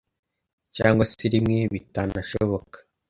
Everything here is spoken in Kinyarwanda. cyangwa se rimwe bitanashoboka